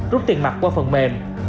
rút tiền mặt qua phần mềm